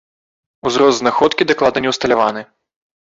Узрост знаходкі дакладна не ўсталяваны.